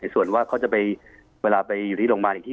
ส่วนว่าเพราะเวลาไปโรงพยาบาลเครื่องไปอีกที